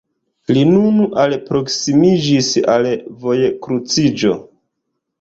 li nun alproksimiĝis al vojkruciĝo.